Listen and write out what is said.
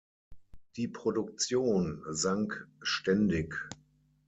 Die Produktion sank ständig.